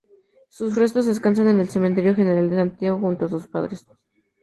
Sus restos descansan en el Cementerio General de Santiago, junto a sus padres.